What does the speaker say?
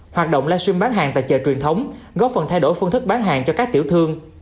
hoạt động livestream bán hàng tại chợ truyền thống góp phần thay đổi phương thức bán hàng cho các tiểu thương